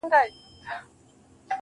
• هغه اوس اوړي غرونه غرونه پـــرېږدي.